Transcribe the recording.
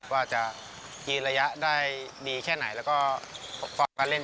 ว่าจะมีระยะได้ดีแค่ไหน